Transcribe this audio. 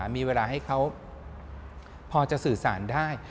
มีเวลาให้เขาพอจะสื่อสารได้